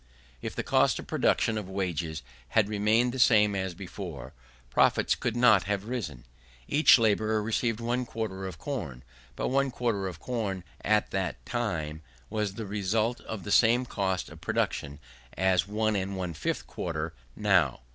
If the cost of production of wages had remained the same as before, profits could not have risen. Each labourer received one quarter of corn; but one quarter of corn at that time was the result of the same cost of production, as 1 1/5 quarter now.